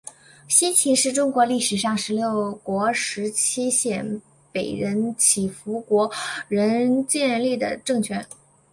西秦是中国历史上十六国时期鲜卑人乞伏国仁建立的政权。